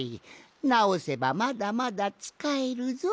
なおせばまだまだつかえるぞい。